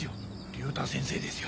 竜太先生ですよ。